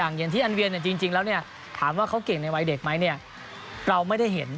เงียนทีอันเวียนจริงแล้วถามว่าเขาเก่งในวัยเด็กไหมเราไม่ได้เห็น